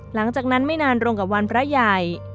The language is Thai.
หลังจากนั้นไม่นานตรงกับวันพระใหญ่